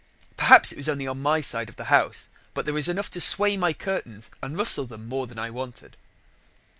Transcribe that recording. "Perhaps it was only on my side of the house, but there was enough to sway my curtains and rustle them more than I wanted."